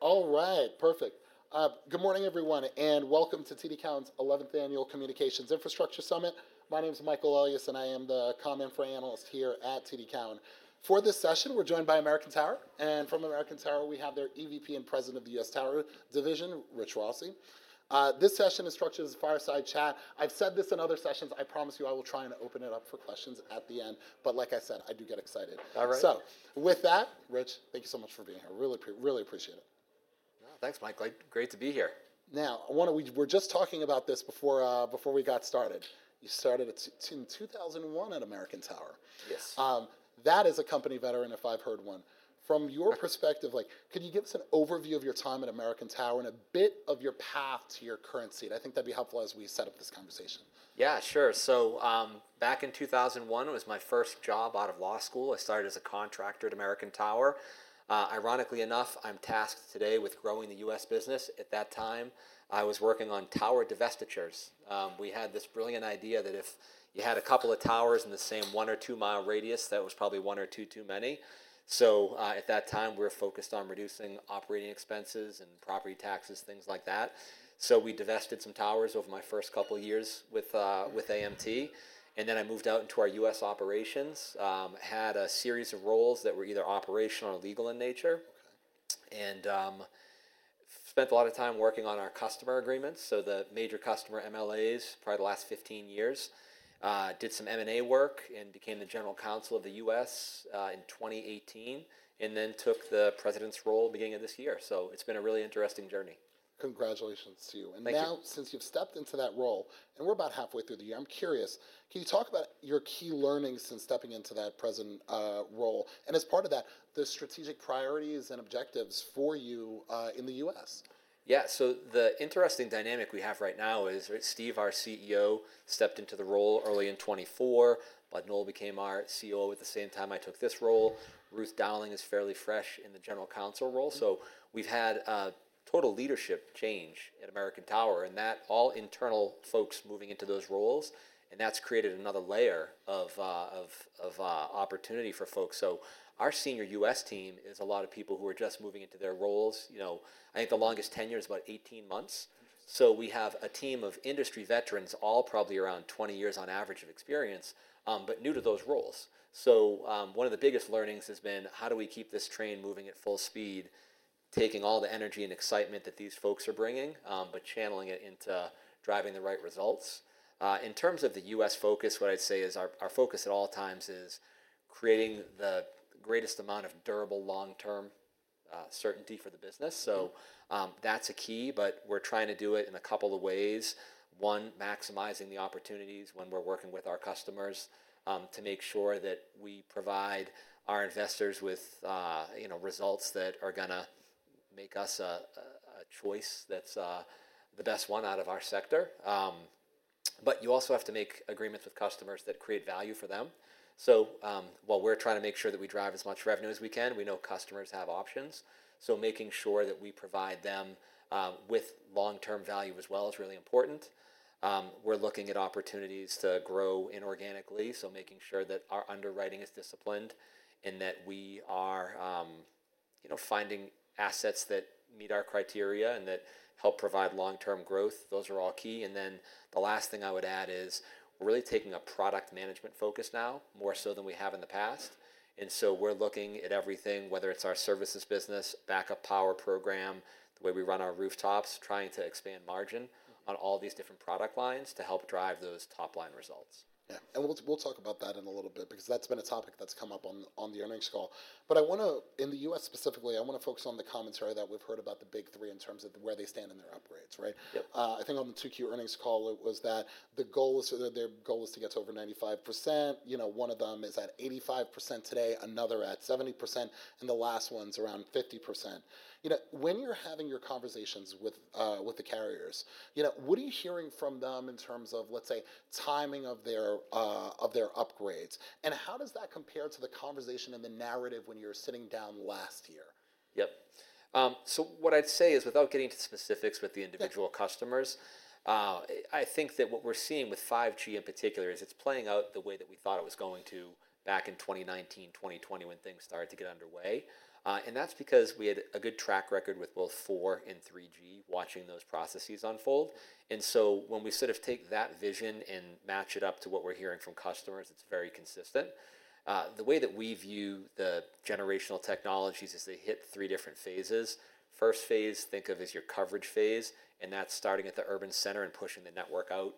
All right, perfect. Good morning, everyone, and welcome to TD Cowen's 11th Annual Communications Infrastructure Summit. My name is Michael Elias, and I am the Communications Infrastructure Analyst here at TD Cowen. For this session, we're joined by American Tower, and from American Tower, we have their EVP and President of the U.S. Tower Division, Rich Rossi. This session is structured as a fireside chat. I've said this in other sessions. I promise you I will try and open it up for questions at the end. Like I said, I do get excited. All right. With that, Rich, thank you so much for being here. Really appreciate it. No, thanks, Michael. Great to be here. Now, I want to—we were just talking about this before we got started. You started in 2001 at American Tower. Yes. That is a company veteran, if I've heard one. From your perspective, could you give us an overview of your time at American Tower and a bit of your path to your current seat? I think that'd be helpful as we set up this conversation. Yeah, sure. Back in 2001, it was my first job out of law school. I started as a contractor at American Tower. Ironically enough, I'm tasked today with growing the U.S. business. At that time, I was working on tower divestitures. We had this brilliant idea that if you had a couple of towers in the same one or two-mile radius, that was probably one or two too many. At that time, we were focused on reducing operating expenses and property taxes, things like that. We divested some towers over my first couple of years with American Tower. I moved out into our U.S. operations, had a series of roles that were either operational or legal in nature, and spent a lot of time working on our customer agreements. The major customer MLAs for the last 15 years, did some M&A work and became the General Counsel of the U.S. in 2018, and then took the President's role at the beginning of this year. It's been a really interesting journey. Congratulations to you. Thank you. Since you've stepped into that role, and we're about halfway through the year, I'm curious, can you talk about your key learnings since stepping into that President role and as part of that, the strategic priorities and objectives for you in the U.S.? Yeah, so the interesting dynamic we have right now is Steve, our CEO, stepped into the role early in 2024. Bud Noel became our CEO at the same time I took this role. Ruth Dowling is fairly fresh in the General Counsel role. We've had a total leadership change at American Tower, and that's all internal folks moving into those roles, and that's created another layer of opportunity for folks. Our senior U.S. team is a lot of people who are just moving into their roles. I think the longest tenure is about 18 months. We have a team of industry veterans, all probably around 20 years on average of experience, but new to those roles. One of the biggest learnings has been, how do we keep this train moving at full speed, taking all the energy and excitement that these folks are bringing, but channeling it into driving the right results? In terms of the U.S. focus, what I'd say is our focus at all times is creating the greatest amount of durable long-term certainty for the business. That's a key, but we're trying to do it in a couple of ways. One, maximizing the opportunities when we're working with our customers to make sure that we provide our investors with results that are going to make us a choice that's the best one out of our sector. You also have to make agreements with customers that create value for them. While we're trying to make sure that we drive as much revenue as we can, we know customers have options. Making sure that we provide them with long-term value as well is really important. We're looking at opportunities to grow inorganically, making sure that our underwriting is disciplined and that we are finding assets that meet our criteria and that help provide long-term growth. Those are all key. The last thing I would add is we're really taking a product management focus now, more so than we have in the past. We're looking at everything, whether it's our services business, backup power program, the way we run our rooftops, trying to expand margin on all these different product lines to help drive those top-line results. Yeah, we'll talk about that in a little bit because that's been a topic that's come up on the earnings call. In the U.S. specifically, I want to focus on the commentary that we've heard about the big three in terms of where they stand in their operates, right? Yep. I think on the 2Q earnings call, it was that the goal is their goal is to get to over 95%. One of them is at 85% today, another at 70%, and the last one's around 50%. When you're having your conversations with the carriers, what are you hearing from them in terms of, let's say, timing of their upgrades? How does that compare to the conversation and the narrative when you were sitting down last year? Yep. What I'd say is, without getting into specifics with the individual customers, I think that what we're seeing with 5G in particular is it's playing out the way that we thought it was going to back in 2019, 2020, when things started to get underway. That's because we had a good track record with both 4G and 3G watching those processes unfold. When we sort of take that vision and match it up to what we're hearing from customers, it's very consistent. The way that we view the generational technologies is they hit three different phases. The first phase, think of as your coverage phase, and that's starting at the urban center and pushing the network out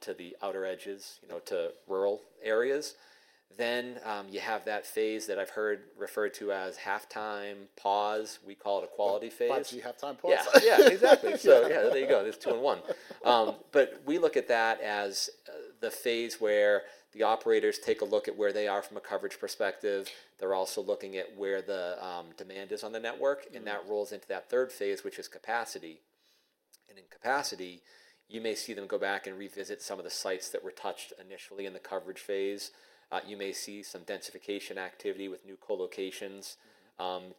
to the outer edges, to rural areas. You have that phase that I've heard referred to as halftime pause. We call it a quality phase. 5G halftime pause? Yeah, exactly. There you go. It's two in one. We look at that as the phase where the operators take a look at where they are from a coverage perspective. They're also looking at where the demand is on the network, and that rolls into that third phase, which is capacity. In capacity, you may see them go back and revisit some of the sites that were touched initially in the coverage phase. You may see some densification activity with new colocations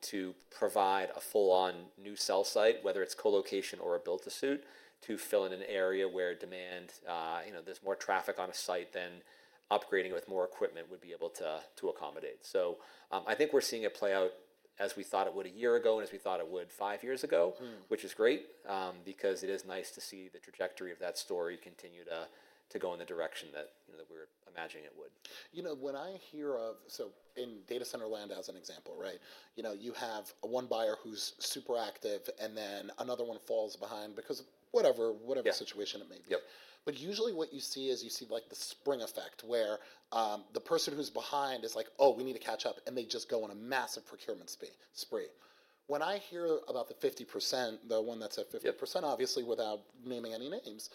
to provide a full-on new cell site, whether it's colocation or a build-to-suit, to fill in an area where demand, you know, there's more traffic on a site than upgrading with more equipment would be able to accommodate. I think we're seeing it play out as we thought it would a year ago and as we thought it would five years ago, which is great because it is nice to see the trajectory of that story continue to go in the direction that we're imagining it would. You know, when I hear of, in data center land as an example, right? You have one buyer who's super active, and then another one falls behind because of whatever situation it may be. Yep. Usually what you see is you see the spring effect where the person who's behind is like, oh, we need to catch up, and they just go on a massive procurement spree. When I hear about the 50%, the one that's at 50%, obviously without naming any names,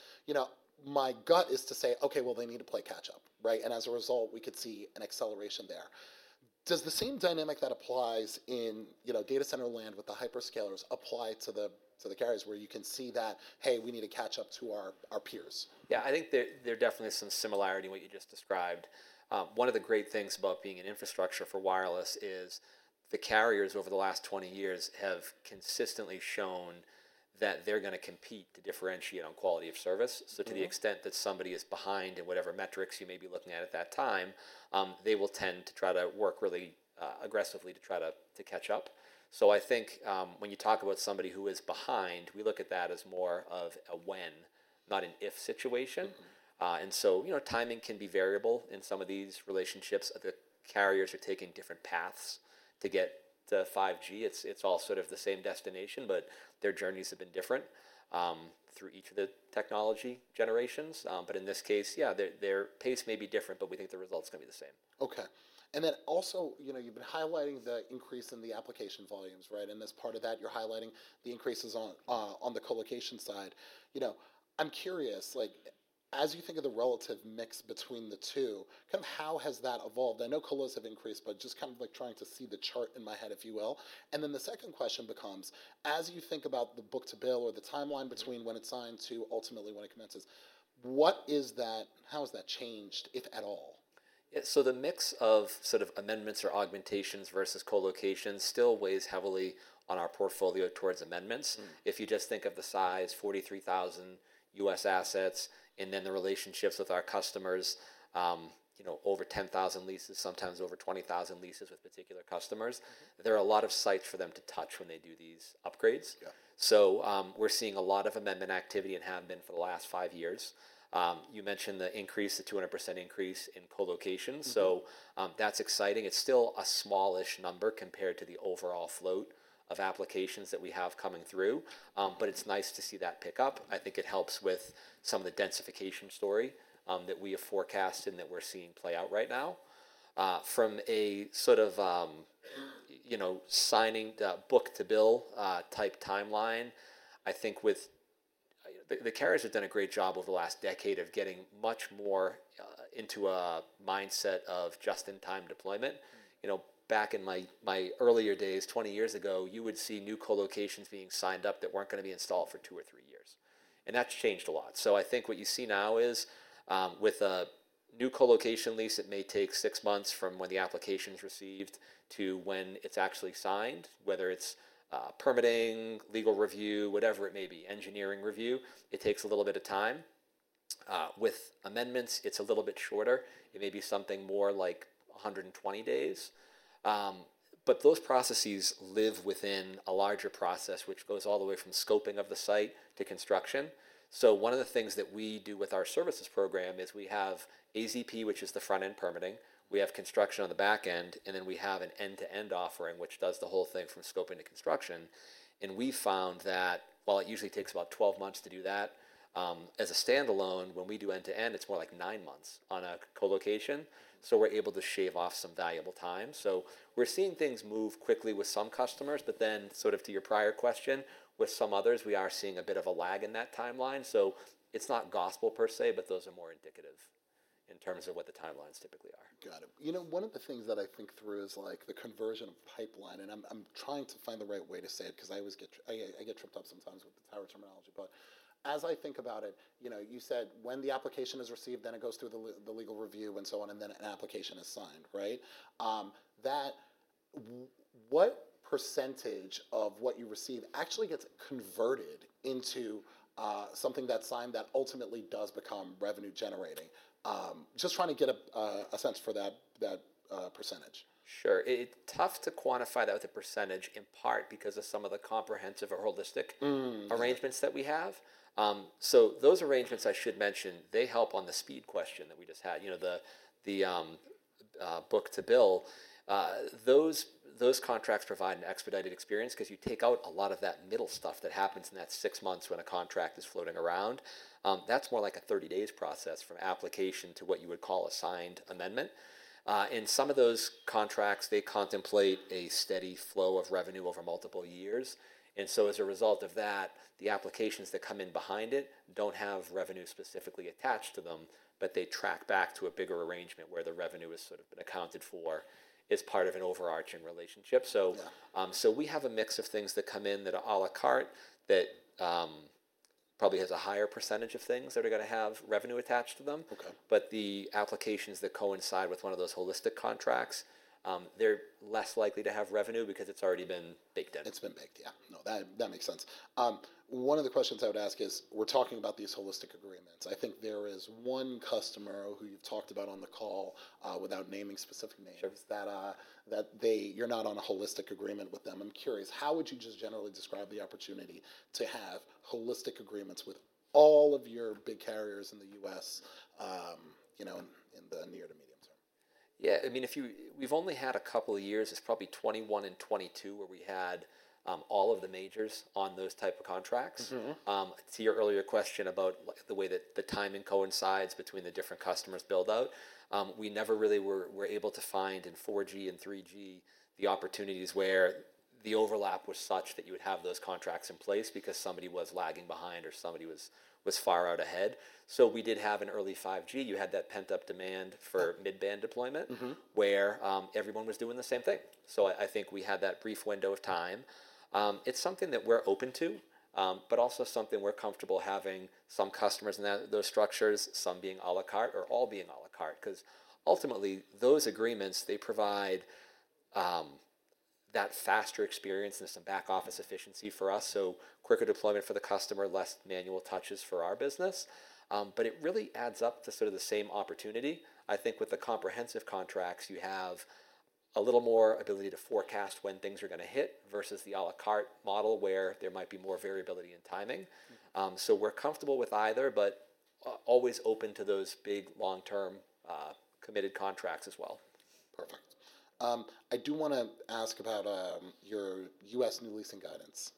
my gut is to say, okay, they need to play catch up, right? As a result, we could see an acceleration there. Does the same dynamic that applies in data center land with the hyperscalers apply to the carriers where you can see that, hey, we need to catch up to our peers? Yeah, I think there definitely is some similarity in what you just described. One of the great things about being an infrastructure for wireless is the carriers over the last 20 years have consistently shown that they're going to compete to differentiate on quality of service. To the extent that somebody is behind in whatever metrics you may be looking at at that time, they will tend to try to work really aggressively to try to catch up. I think when you talk about somebody who is behind, we look at that as more of a when, not an if situation. Timing can be variable in some of these relationships that carriers are taking different paths to get to 5G. It's all sort of the same destination, but their journeys have been different through each of the technology generations. In this case, yeah, their pace may be different, but we think the result's going to be the same. Okay. You've been highlighting the increase in the application volumes, right? As part of that, you're highlighting the increases on the colocation side. I'm curious, as you think of the relative mix between the two, how has that evolved? I know colos have increased, but just trying to see the chart in my head, if you will. The second question becomes, as you think about the book to bill or the timeline between when it's signed to ultimately when it commences, how has that changed, if at all? Yeah, so the mix of sort of amendments or augmentations versus colocation still weighs heavily on our portfolio towards amendments. If you just think of the size, 43,000 U.S. assets, and then the relationships with our customers, you know, over 10,000 leases, sometimes over 20,000 leases with particular customers, there are a lot of sites for them to touch when they do these upgrades. Yeah. We're seeing a lot of amendment activity and have been for the last five years. You mentioned the increase, the 200% increase in colocations. That's exciting. It's still a smallish number compared to the overall float of applications that we have coming through, but it's nice to see that pick up. I think it helps with some of the densification story that we have forecast and that we're seeing play out right now. From a sort of signing book to bill type timeline, I think the carriers have done a great job over the last decade of getting much more into a mindset of just-in-time deployment. Back in my earlier days, 20 years ago, you would see new colocations being signed up that weren't going to be installed for two or three years, and that's changed a lot. What you see now is with a new colocation lease, it may take six months from when the application's received to when it's actually signed, whether it's permitting, legal review, whatever it may be, engineering review. It takes a little bit of time. With amendments, it's a little bit shorter. It may be something more like 120 days, but those processes live within a larger process, which goes all the way from scoping of the site to construction. One of the things that we do with our services program is we have AZP, which is the front-end permitting. We have construction on the back end, and then we have an end-to-end offering, which does the whole thing from scoping to construction. We've found that while it usually takes about 12 months to do that as a standalone, when we do end-to-end, it's more like nine months on a colocation. We're able to shave off some valuable time. We're seeing things move quickly with some customers, but to your prior question, with some others, we are seeing a bit of a lag in that timeline. It's not gospel per se, but those are more indicative in terms of what the timelines typically are. Got it. You know, one of the things that I think through is like the conversion pipeline, and I'm trying to find the right way to say it because I always get, I get tripped up sometimes with the tower terminology. As I think about it, you said when the application is received, then it goes through the legal review and so on, and then an application is signed, right? What % of what you receive actually gets converted into something that's signed that ultimately does become revenue generating? Just trying to get a sense for that %. Sure. It's tough to quantify that with a % in part because of some of the comprehensive or holistic arrangements that we have. Those arrangements, I should mention, help on the speed question that we just had. The book to bill, those contracts provide an expedited experience because you take out a lot of that middle stuff that happens in that six months when a contract is floating around. That's more like a 30 days process from application to what you would call a signed amendment. In some of those contracts, they contemplate a steady flow of revenue over multiple years. As a result of that, the applications that come in behind it don't have revenue specifically attached to them, but they track back to a bigger arrangement where the revenue is sort of accounted for as part of an overarching relationship. We have a mix of things that come in that are a la carte that probably has a higher % of things that are going to have revenue attached to them. The applications that coincide with one of those holistic contracts are less likely to have revenue because it's already been baked in. It's been baked, yeah. No, that makes sense. One of the questions I would ask is, we're talking about these holistic agreements. I think there is one customer who you've talked about on the call without naming specific names that you're not on a holistic agreement with them. I'm curious, how would you just generally describe the opportunity to have holistic agreements with all of your big carriers in the U.S., you know, in the near to medium term? Yeah, I mean, if you, we've only had a couple of years, it's probably 2021 and 2022 where we had all of the majors on those types of contracts. To your earlier question about the way that the timing coincides between the different customers' build-out, we never really were able to find in 4G and 3G the opportunities where the overlap was such that you would have those contracts in place because somebody was lagging behind or somebody was far out ahead. We did have in early 5G, you had that pent-up demand for mid-band deployment where everyone was doing the same thing. I think we had that brief window of time. It's something that we're open to, but also something we're comfortable having some customers in those structures, some being a la carte or all being a la carte. Ultimately, those agreements provide that faster experience and some back-office efficiency for us. Quicker deployment for the customer, less manual touches for our business. It really adds up to sort of the same opportunity. I think with the comprehensive contracts, you have a little more ability to forecast when things are going to hit versus the a la carte model where there might be more variability in timing. We're comfortable with either, but always open to those big long-term committed contracts as well. Perfect. I do want to ask about your U.S. new leasing guidance,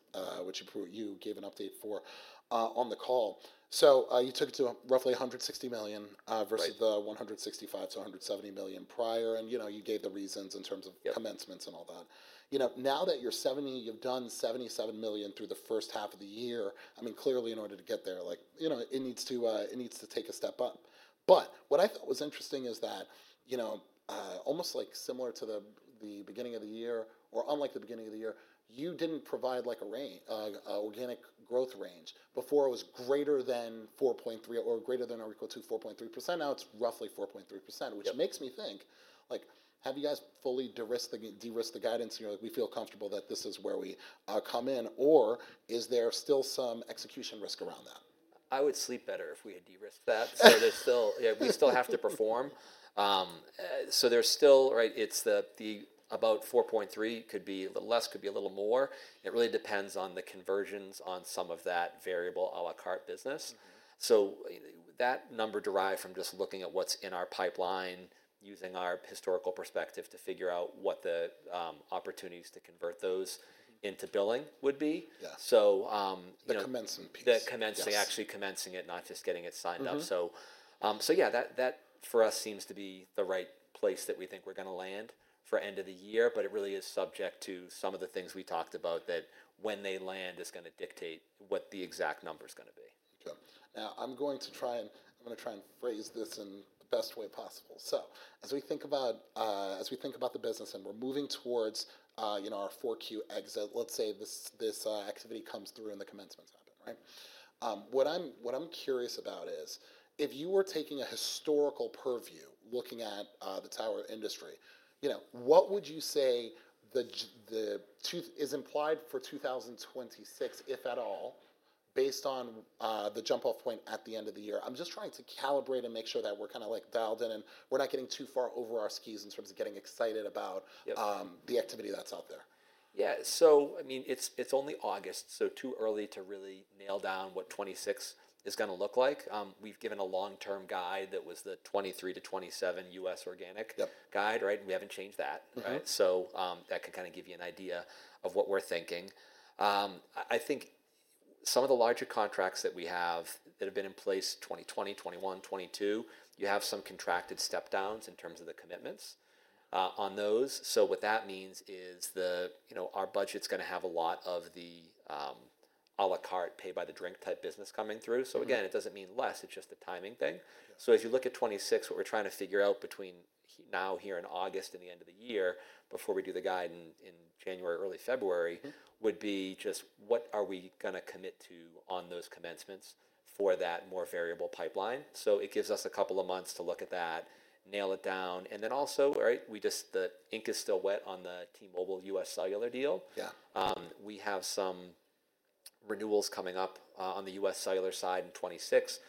which you gave an update for on the call. You took it to roughly $160 million versus the $165 million-$170 million prior. You gave the reasons in terms of commencements and all that. Now that you're at $77 million through the first half of the year, clearly, in order to get there, it needs to take a step up. What I thought was interesting is that, almost similar to the beginning of the year, or unlike the beginning of the year, you didn't provide a range organic growth range. Before, it was greater than or equal to 4.3%. Now it's roughly 4.3%, which makes me think, have you guys fully de-risked the guidance? Do you feel comfortable that this is where you come in, or is there still some execution risk around that? I would sleep better if we had de-risked that. There's still, yeah, we still have to perform. There's still, right, it's about $4.3 million, could be a little less, could be a little more. It really depends on the conversions on some of that variable a la carte business. That number derives from just looking at what's in our pipeline, using our historical perspective to figure out what the opportunities to convert those into billing would be. Yeah. So. The commencement. The commencement, actually commencing it, not just getting it signed up. That for us seems to be the right place that we think we're going to land for end of the year. It really is subject to some of the things we talked about that when they land is going to dictate what the exact number is going to be. I'm going to try and phrase this in the best way possible. As we think about the business and we're moving towards our 4Q exit, let's say this activity comes through and the commencements happen, right? What I'm curious about is, if you were taking a historical purview looking at the tower industry, what would you say is implied for 2026, if at all, based on the jump-off point at the end of the year? I'm just trying to calibrate and make sure that we're kind of like dialed in and we're not getting too far over our skis in terms of getting excited about the activity that's out there. Yeah, so I mean, it's only August, so too early to really nail down what 2026 is going to look like. We've given a long-term guide that was the 2023-2027 U.S. organic guide, right? We haven't changed that, right? That could kind of give you an idea of what we're thinking. I think some of the larger contracts that we have that have been in place 2020, 2021, 2022, you have some contracted step-downs in terms of the commitments on those. What that means is, you know, our budget's going to have a lot of the a la carte pay-by-the-drink type business coming through. It doesn't mean less. It's just a timing thing. As you look at 2026, what we're trying to figure out between now here in August and the end of the year, before we do the guide in January, early February, would be just what are we going to commit to on those commencements for that more variable pipeline. It gives us a couple of months to look at that, nail it down. Also, right, we just, the ink is still wet on the T-Mobile UScellular deal. Yeah. We have some renewals coming up on the UScellular side in 2026.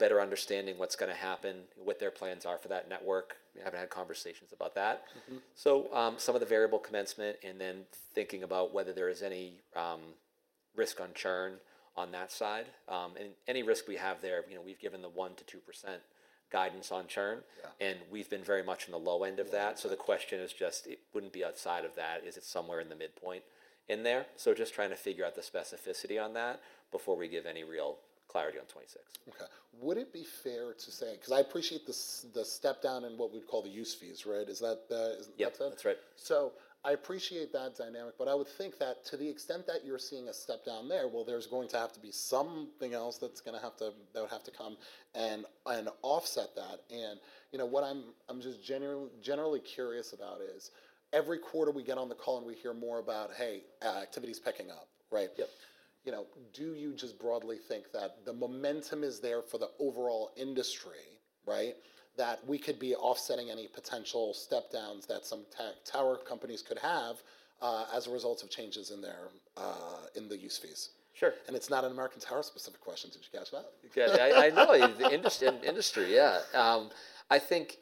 Better understanding what's going to happen, what their plans are for that network. We haven't had conversations about that. Some of the variable commencement and then thinking about whether there is any risk on churn on that side. Any risk we have there, we've given the 1%-2% guidance on churn, and we've been very much on the low end of that. The question is just, it wouldn't be outside of that. Is it somewhere in the midpoint in there? Just trying to figure out the specificity on that before we give any real clarity on 2026. Okay. Would it be fair to say, because I appreciate the step-down in what we'd call the use fees, right? Is that said? Yeah, that's right. I appreciate that dynamic, but I would think that to the extent that you're seeing a step-down there, there's going to have to be something else that's going to have to come and offset that. You know, what I'm just generally curious about is every quarter we get on the call and we hear more about, hey, activity's picking up, right? Yep. You know, do you just broadly think that the momentum is there for the overall industry, right? That we could be offsetting any potential step-downs that some tech tower companies could have as a result of changes in their use fees? Sure. It is not an American Tower specific question, did you catch that? I know. The interest in industry, yeah. I think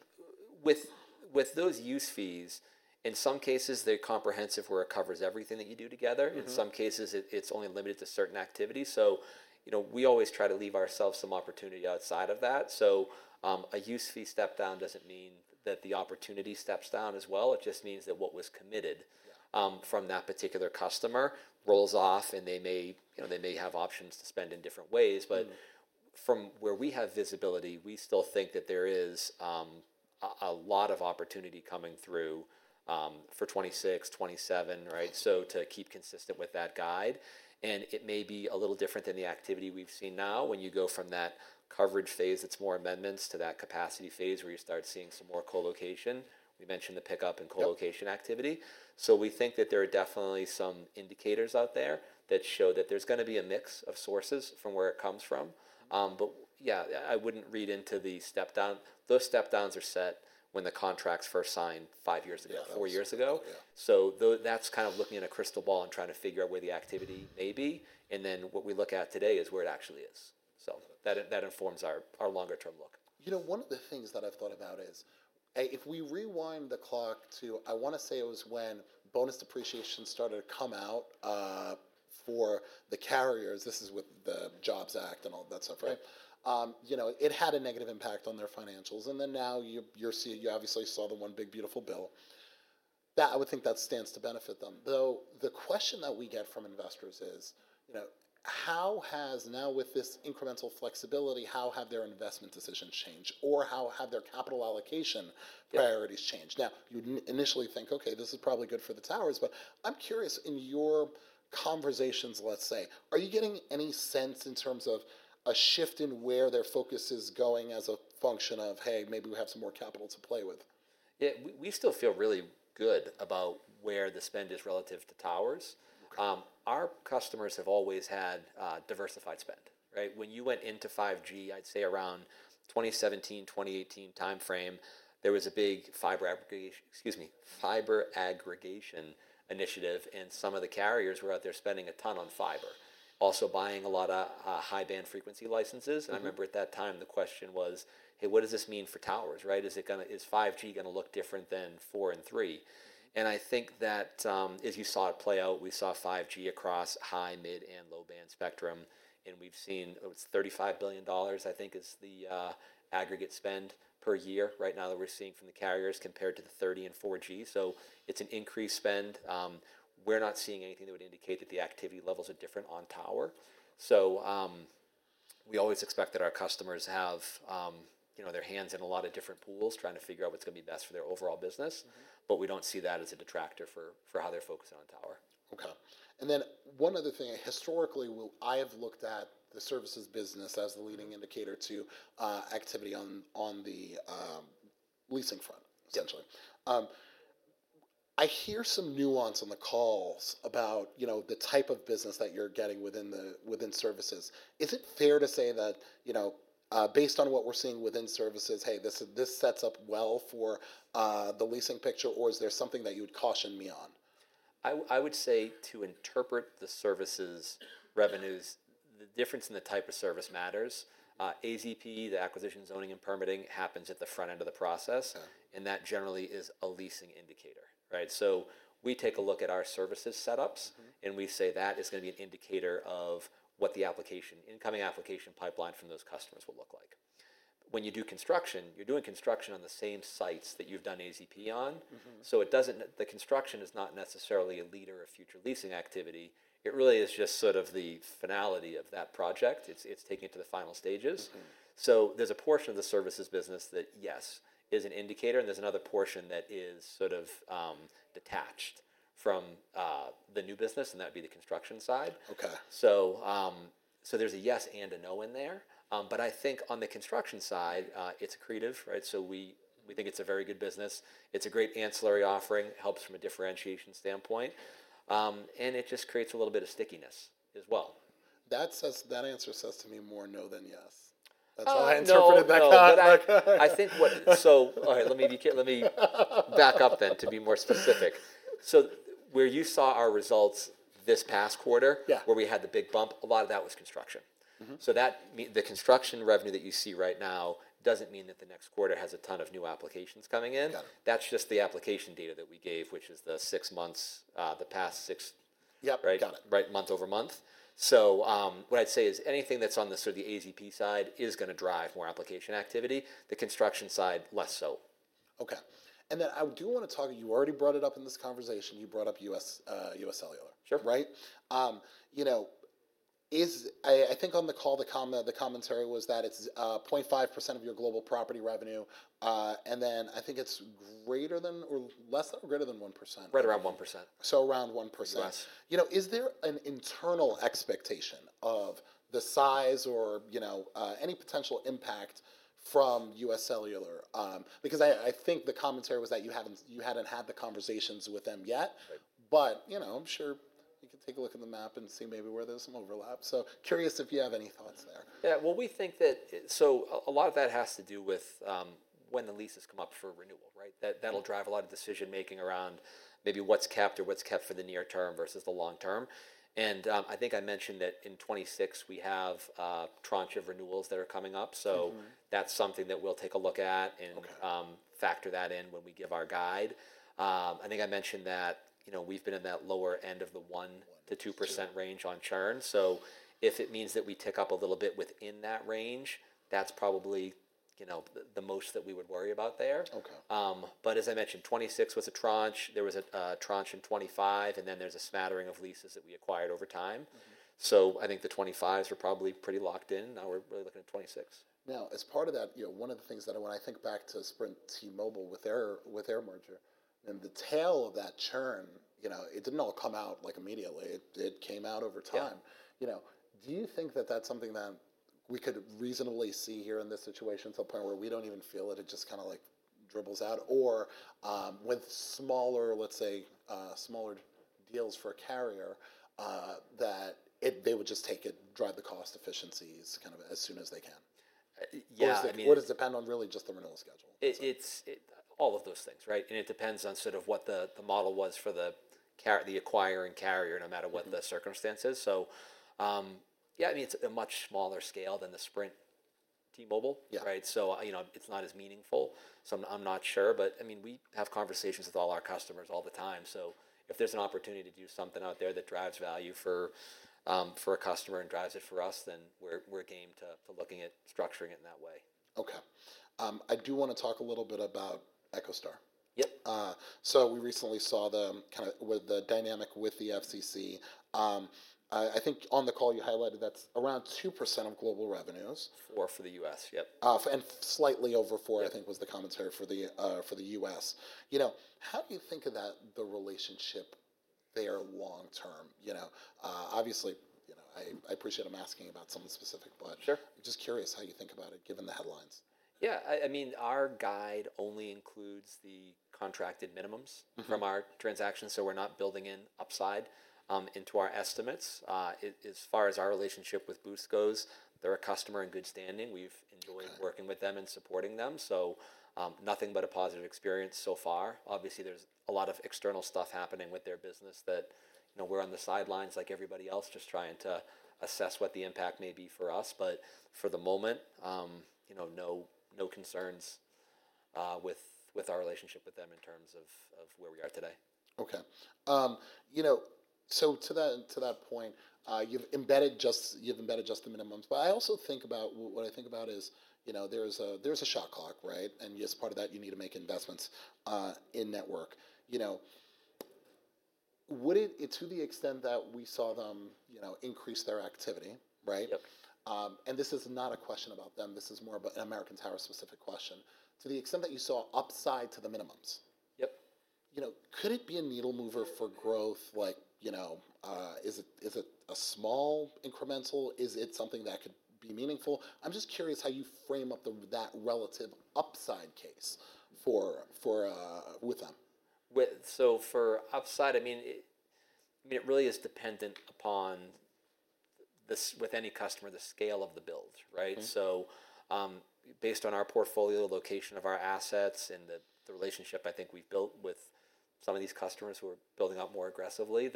with those use fees, in some cases, they're comprehensive where it covers everything that you do together. In some cases, it's only limited to certain activities. We always try to leave ourselves some opportunity outside of that. A use fee step-down doesn't mean that the opportunity steps down as well. It just means that what was committed from that particular customer rolls off and they may have options to spend in different ways. From where we have visibility, we still think that there is a lot of opportunity coming through for 2026, 2027, right? To keep consistent with that guide. It may be a little different than the activity we've seen now when you go from that coverage phase that's more amendments to that capacity phase where you start seeing some more colocation. We mentioned the pickup in colocation activity. We think that there are definitely some indicators out there that show that there's going to be a mix of sources from where it comes from. I wouldn't read into the step-down. Those step-downs are set when the contracts first signed five years ago, four years ago. That's kind of looking at a crystal ball and trying to figure out where the activity may be. What we look at today is where it actually is. That informs our longer-term look. You know, one of the things that I've thought about is if we rewind the clock to, I want to say it was when bonus depreciation started to come out for the carriers, this is with the JOBS Act and all that stuff, right? It had a negative impact on their financials. Now you obviously saw the one big beautiful bill. I would think that stands to benefit them. The question that we get from investors is, you know, how has now with this incremental flexibility, how have their investment decisions changed? Or how have their capital allocation priorities changed? You'd initially think, okay, this is probably good for the towers, but I'm curious in your conversations, let's say, are you getting any sense in terms of a shift in where their focus is going as a function of, hey, maybe we have some more capital to play with? Yeah, we still feel really good about where the spend is relative to towers. Our customers have always had diversified spend, right? When you went into 5G, I'd say around 2017, 2018 timeframe, there was a big fiber aggregation initiative, and some of the carriers were out there spending a ton on fiber. Also buying a lot of high-band frequency licenses. I remember at that time the question was, hey, what does this mean for towers, right? Is it going to, is 5G going to look different than 4G and 3G? I think that as you saw it play out, we saw 5G across high, mid, and low-band spectrum. We've seen it's $35 billion, I think is the aggregate spend per year right now that we're seeing from the carriers compared to the $30 billion in 4G. It's an increased spend. We're not seeing anything that would indicate that the activity levels are different on tower. We always expect that our customers have, you know, their hands in a lot of different pools trying to figure out what's going to be best for their overall business. We don't see that as a detractor for how they're focusing on tower. Okay. One other thing, historically, I have looked at the services business as the leading indicator to activity on the leasing front, essentially. I hear some nuance on the calls about the type of business that you're getting within services. Is it fair to say that, based on what we're seeing within services, this sets up well for the leasing picture, or is there something that you would caution me on? I would say to interpret the services revenues, the difference in the type of service matters. AZP, the Acquisition Zoning and Permitting, happens at the front end of the process. That generally is a leasing indicator, right? We take a look at our services setups, and we say that is going to be an indicator of what the incoming application pipeline from those customers will look like. When you do construction, you're doing construction on the same sites that you've done AZP on. The construction is not necessarily a leader of future leasing activity. It really is just sort of the finality of that project. It's taking it to the final stages. There's a portion of the services business that, yes, is an indicator, and there's another portion that is sort of detached from the new business, and that would be the construction side. Okay. There's a yes and a no in there. I think on the construction side, it's accretive, right? We think it's a very good business. It's a great ancillary offering. It helps from a differentiation standpoint, and it just creates a little bit of stickiness as well. That answer says to me more no than yes. That's how I interpreted that. All right, let me back up then to be more specific. Where you saw our results this past quarter, where we had the big bump, a lot of that was construction. That means the construction revenue that you see right now doesn't mean that the next quarter has a ton of new applications coming in. That's just the application data that we gave, which is the six months, the past six, right? Yep, got it. Right, month over month. What I'd say is anything that's on the sort of the AZP side is going to drive more application activity. The construction side, less so. Okay. I do want to talk to you. You already brought it up in this conversation. You brought up UScellular, right? Sure. You know, I think on the call, the commentary was that it's 0.5% of your global property revenue, and then I think it's greater than or less, greater than 1%. Right around 1%. Around 1%. Less. Is there an internal expectation of the size or any potential impact from UScellular? I think the commentary was that you hadn't had the conversations with them yet. I'm sure you can take a look at the map and see maybe where there's some overlap. Curious if you have any thoughts there. Yeah, we think that a lot of that has to do with when the leases come up for renewal, right? That will drive a lot of decision-making around maybe what's kept or what's kept for the near term versus the long term. I think I mentioned that in 2026, we have a tranche of renewals that are coming up. That's something that we'll take a look at and factor in when we give our guide. I think I mentioned that we've been in that lower end of the 1%-2% range on churn. If it means that we tick up a little bit within that range, that's probably the most that we would worry about there. Okay. As I mentioned, 2026 was a tranche. There was a tranche in 2025, and then there's a smattering of leases that we acquired over time. I think the 2025s are probably pretty locked in. Now we're really looking at 2026. Now, as part of that, one of the things that when I think back to Sprint T-Mobile with their merger, and the tail of that churn, it didn't all come out immediately. It came out over time. Yeah. Do you think that that's something that we could reasonably see here in this situation to a point where we don't even feel it? It just kind of dribbles out. With smaller, let's say, smaller deals for a carrier, they would just take it, drive the cost efficiencies as soon as they can. Yeah. Does it depend on really just the renewal schedule? It's all of those things, right? It depends on sort of what the model was for the acquiring carrier, no matter what the circumstances. Yeah, I mean, it's a much smaller scale than the Sprint-T-Mobile, right? Yeah. It's not as meaningful. I'm not sure. I mean, we have conversations with all our customers all the time. If there's an opportunity to do something out there that drives value for a customer and drives it for us, then we're game to looking at structuring it in that way. Okay. I do want to talk a little bit about EchoStar. Yep. We recently saw the kind of the dynamic with the FCC. I think on the call you highlighted that's around 2% of global revenues. Four for the U.S., yep. Slightly over four, I think was the commentary for the U.S. How do you think of that, the relationship there long-term? Obviously, I appreciate I'm asking about something specific, but I'm just curious how you think about it given the headlines. Yeah, I mean, our guide only includes the contracted minimums from our transactions. We're not building in upside into our estimates. As far as our relationship with Boost goes, they're a customer in good standing. We've enjoyed working with them and supporting them. Nothing but a positive experience so far. Obviously, there's a lot of external stuff happening with their business that we're on the sidelines like everybody else, just trying to assess what the impact may be for us. For the moment, no concerns with our relationship with them in terms of where we are today. Okay. To that point, you've embedded just the minimums. I also think about what I think about is, there's a shot clock, right? As part of that, you need to make investments in network. To the extent that we saw them increase their activity, right? Yep. This is not a question about them. This is more of an American Tower specific question. To the extent that you saw upside to the minimums. Yep. Could it be a needle mover for growth? Is it a small incremental? Is it something that could be meaningful? I'm just curious how you frame up that relative upside case for with them. It really is dependent upon this, with any customer, the scale of the build, right? Based on our portfolio, the location of our assets, and the relationship I think we've built with some of these customers who are building up more aggressively,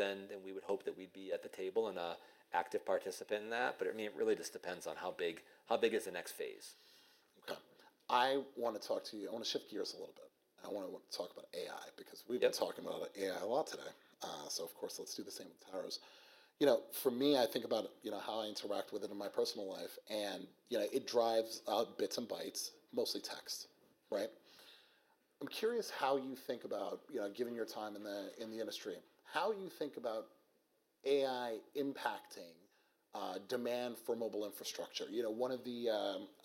we would hope that we'd be at the table and an active participant in that. It really just depends on how big is the next phase. Okay. I want to talk to you. I want to shift gears a little bit. I want to talk about AI because we've been talking about AI a lot today. Of course, let's do the same with towers. For me, I think about how I interact with it in my personal life, and it drives bits and bytes, mostly text, right? I'm curious how you think about, given your time in the industry, how you think about AI impacting demand for mobile infrastructure. One of the,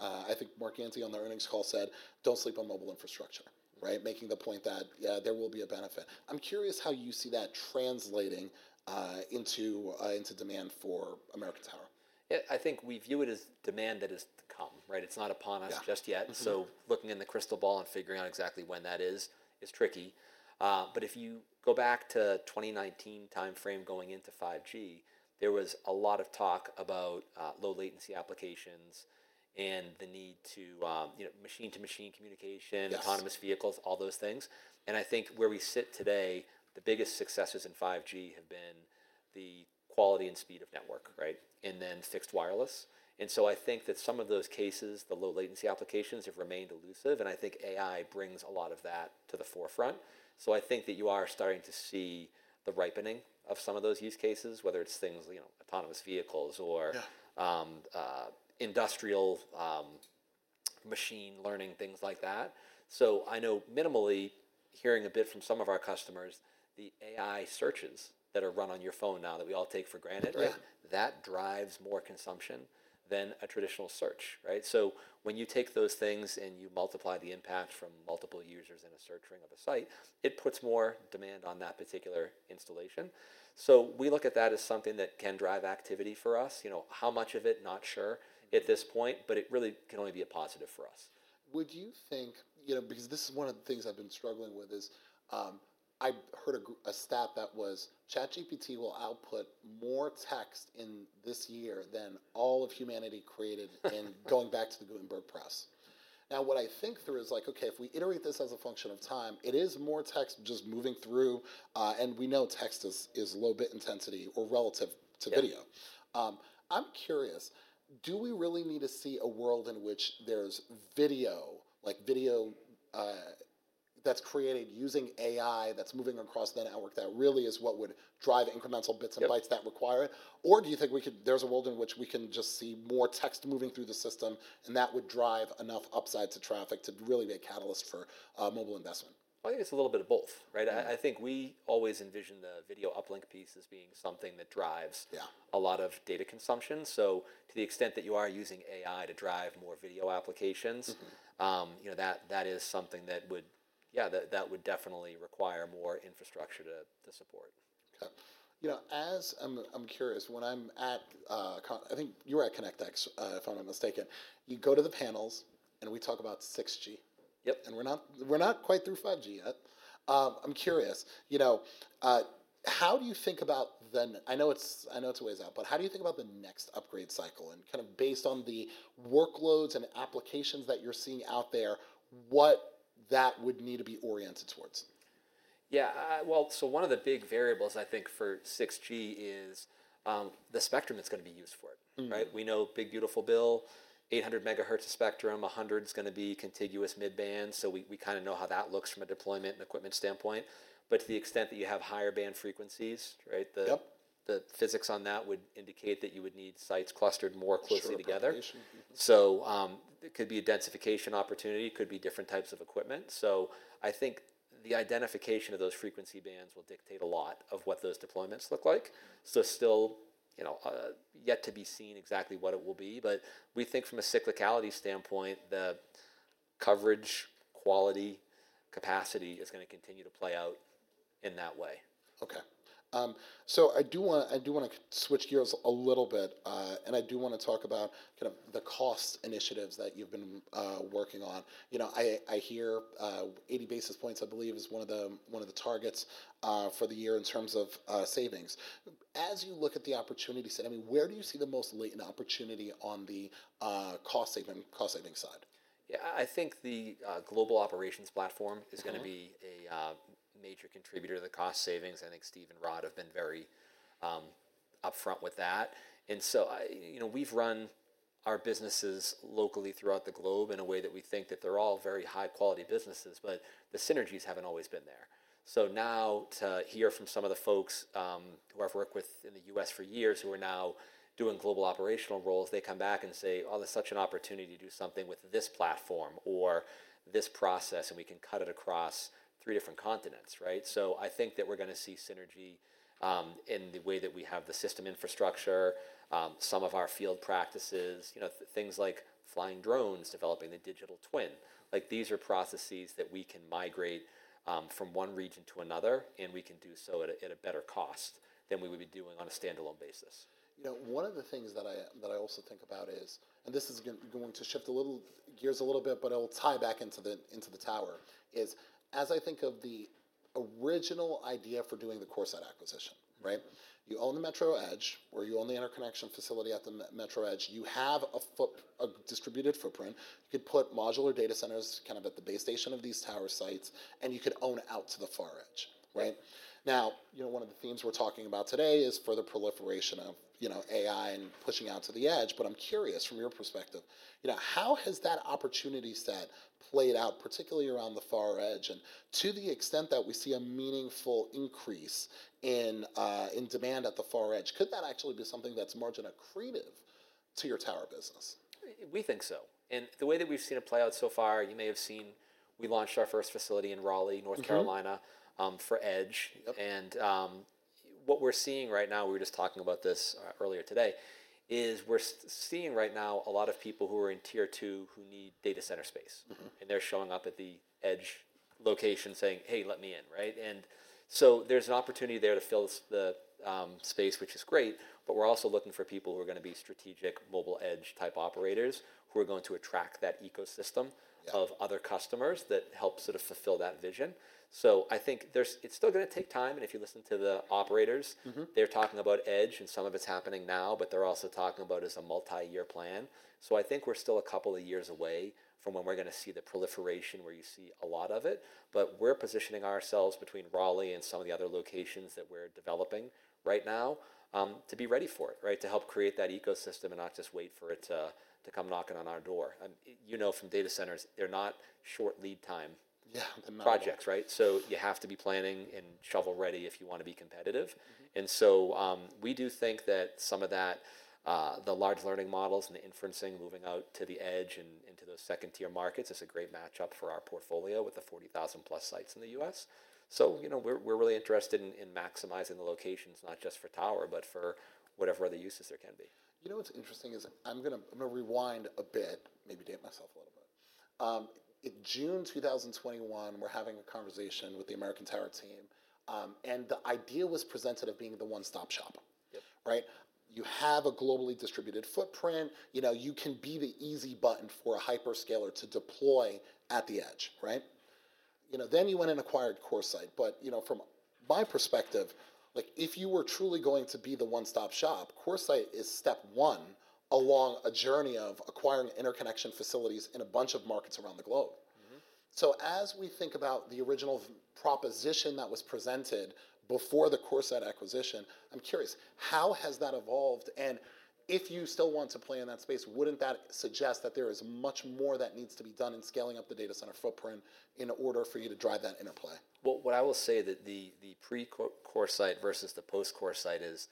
I think Mark Ante on the earnings call said, don't sleep on mobile infrastructure, right? Making the point that, yeah, there will be a benefit. I'm curious how you see that translating into demand for American Tower. Yeah, I think we view it as demand that is to come, right? It's not upon us just yet. Looking in the crystal ball and figuring out exactly when that is, is tricky. If you go back to the 2019 timeframe going into 5G, there was a lot of talk about low latency applications and the need to, you know, machine-to-machine communication, autonomous vehicles, all those things. I think where we sit today, the biggest successes in 5G have been the quality and speed of network, right? Then fixed wireless. I think that some of those cases, the low latency applications have remained elusive. I think AI brings a lot of that to the forefront. I think that you are starting to see the ripening of some of those use cases, whether it's things, you know, autonomous vehicles or industrial machine learning, things like that. I know minimally, hearing a bit from some of our customers, the AI searches that are run on your phone now that we all take for granted, that drives more consumption than a traditional search, right? When you take those things and you multiply the impact from multiple users in a search ring of a site, it puts more demand on that particular installation. We look at that as something that can drive activity for us. How much of it, not sure at this point, but it really can only be a positive for us. Would you think, you know, because this is one of the things I've been struggling with, is I heard a stat that was ChatGPT will output more text in this year than all of humanity created going back to the Gutenberg press. Now, what I think through is like, okay, if we iterate this as a function of time, it is more text just moving through. We know text is low bit intensity relative to video. I'm curious, do we really need to see a world in which there's video, like video that's created using AI that's moving across the network? That really is what would drive incremental bits and bytes that require it. Do you think there's a world in which we can just see more text moving through the system and that would drive enough upside to traffic to really be a catalyst for mobile investment? I think it's a little bit of both, right? I think we always envision the video uplink piece as being something that drives a lot of data consumption. To the extent that you are using AI to drive more video applications, that is something that would definitely require more infrastructure to support. Okay. As I'm curious, I think you were at ConnectX, if I'm not mistaken. You go to the panels and we talk about 6G. Yep. We're not quite through 5G yet. I'm curious, you know, how do you think about then, I know it's a ways out, but how do you think about the next upgrade cycle? Kind of based on the workloads and applications that you're seeing out there, what that would need to be oriented towards? Yeah, one of the big variables, I think, for 6G is the spectrum that's going to be used for it, right? We know Big Beautiful Bill, 800 MHz of spectrum, 100 is going to be contiguous mid-band. We kind of know how that looks from a deployment and equipment standpoint. To the extent that you have higher band frequencies, right? Yep. The physics on that would indicate that you would need sites clustered more closely together. It could be a densification opportunity, could be different types of equipment. I think the identification of those frequency bands will dictate a lot of what those deployments look like. It is still yet to be seen exactly what it will be, but we think from a cyclicality standpoint, the coverage, quality, capacity is going to continue to play out in that way. Okay. I do want to switch gears a little bit. I do want to talk about kind of the cost initiatives that you've been working on. I hear 80 basis points, I believe, is one of the targets for the year in terms of savings. As you look at the opportunity side, where do you see the most latent opportunity on the cost saving side? Yeah, I think the global operations platform is going to be a major contributor to the cost savings. I think Steve and Rod have been very upfront with that. We've run our businesses locally throughout the globe in a way that we think that they're all very high-quality businesses, but the synergies haven't always been there. Now to hear from some of the folks who I've worked with in the U.S. for years, who are now doing global operational roles, they come back and say, oh, there's such an opportunity to do something with this platform or this process, and we can cut it across three different continents, right? I think that we're going to see synergy in the way that we have the system infrastructure, some of our field practices, things like flying drones, developing the digital twin. These are processes that we can migrate from one region to another, and we can do so at a better cost than we would be doing on a standalone basis. You know, one of the things that I also think about is, and this is going to shift gears a little bit, but it'll tie back into the Tower, is as I think of the original idea for doing the CoreSite acquisition, right? You own the Metro Edge, or you own the interconnection facility at the Metro Edge. You have a distributed footprint. You could put modular data centers kind of at the base station of these Tower sites, and you could own out to the far edge, right? Now, you know, one of the themes we're talking about today is further proliferation of, you know, AI and pushing out to the edge. I'm curious from your perspective, you know, how has that opportunity set played out particularly around the far edge? To the extent that we see a meaningful increase in demand at the far edge, could that actually be something that's marginally accretive to your Tower business? We think so. The way that we've seen it play out so far, you may have seen we launched our first facility in Raleigh, North Carolina, for Edge. What we're seeing right now, we were just talking about this earlier today, is we're seeing right now a lot of people who are in Tier 2 who need data center space. They're showing up at the Edge location saying, hey, let me in, right? There's an opportunity there to fill the space, which is great. We're also looking for people who are going to be strategic mobile Edge type operators who are going to attract that ecosystem of other customers that help sort of fulfill that vision. I think it's still going to take time. If you listen to the operators, they're talking about Edge, and some of it's happening now, but they're also talking about it as a multi-year plan. I think we're still a couple of years away from when we're going to see the proliferation where you see a lot of it. We're positioning ourselves between Raleigh and some of the other locations that we're developing right now to be ready for it, right? To help create that ecosystem and not just wait for it to come knocking on our door. You know, from data centers, they're not short lead time. Yeah, I'm not. Projects, right? You have to be planning and shovel ready if you want to be competitive. We do think that some of that, the large learning models and the inferencing moving out to the edge and into those second-tier markets, is a great matchup for our portfolio with the 40,000+ sites in the U.S. We're really interested in maximizing the locations, not just for towers, but for whatever other uses there can be. You know, what's interesting is I'm going to rewind a bit, maybe date myself a little bit. In June 2021, we're having a conversation with the American Tower team. The idea was presented as being the one-stop shop, right? You have a globally distributed footprint. You know, you can be the easy button for a hyperscaler to deploy at the edge, right? You know, you went and acquired CoreSite. From my perspective, if you were truly going to be the one-stop shop, CoreSite is step one along a journey of acquiring interconnection facilities in a bunch of markets around the globe. As we think about the original proposition that was presented before the CoreSite acquisition, I'm curious, how has that evolved? If you still want to play in that space, wouldn't that suggest that there is much more that needs to be done in scaling up the data center footprint in order for you to drive that interplay? The pre-CoreSite versus the post-CoreSite is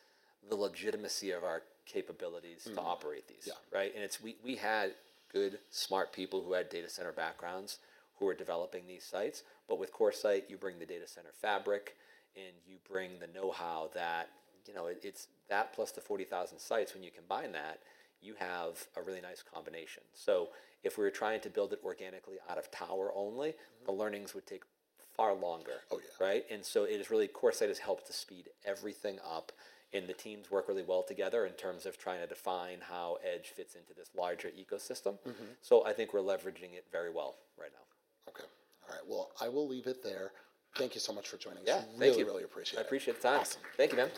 the legitimacy of our capabilities to operate these, right? We had good, smart people who had data center backgrounds who were developing these sites. With CoreSite, you bring the data center fabric and you bring the know-how that, you know, it's that plus the 40,000 sites. When you combine that, you have a really nice combination. If we were trying to build it organically out of tower only, the learnings would take far longer, right? CoreSite has helped to speed everything up. The teams work really well together in terms of trying to define how edge fits into this larger ecosystem. I think we're leveraging it very well right now. Okay. All right. I will leave it there. Thank you so much for joining us. Yeah, thank you. Really appreciate it. I appreciate the time. Thank you.